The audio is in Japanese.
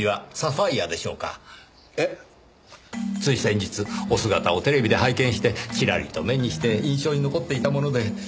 つい先日お姿をテレビで拝見してチラリと目にして印象に残っていたもので。